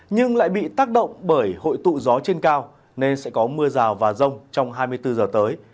nhưng lại bị tác động bởi hội tụ gió trên cao nên sẽ có mưa rào và rông trong hai mươi bốn giờ tới